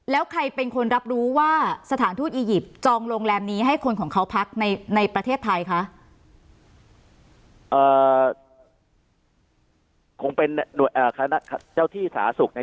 แล้วใครเป็นคนรับรู้ว่าสถานทูตอียิปต์จองโรงแรมนี้ให้คนของเขาพักในประเทศไทยคะ